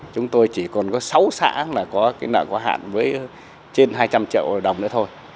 chúng tôi chỉ còn có sáu xã là có cái nợ có hạn với trên hai trăm linh triệu đồng nữa thôi